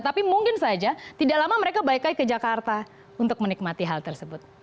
tapi mungkin saja tidak lama mereka baik baik ke jakarta untuk menikmati hal tersebut